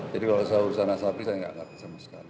jadi kalau asur usaha asabri saya nggak ngerti sama sekali